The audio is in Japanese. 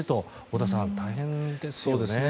太田さん、大変ですよね。